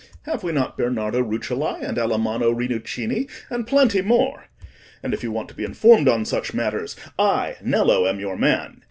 Have we not Bernardo Rucellai, and Alamanno Rinuccini, and plenty more? And if you want to be informed on such matters, I, Nello, am your man.